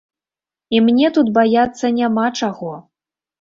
І мне тут баяцца няма чаго.